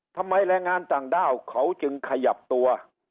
แรงงานต่างด้าวเขาจึงขยับตัว